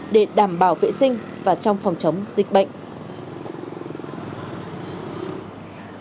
để đảm bảo vệ sinh và trong phòng chống dịch bệnh